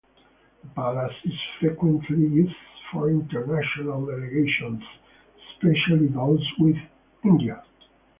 The palace is frequently used for international delegations, especially those with India.